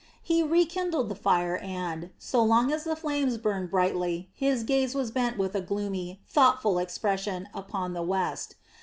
He rekindled the fire and, so long as the flames burned brightly, his gaze was bent with a gloomy, thoughtful expression upon the west.